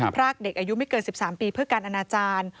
พรากเด็กอายุไม่เกิน๑๓ปีเพื่อการอนาจารย์